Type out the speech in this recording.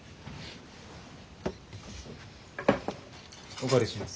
お借りします。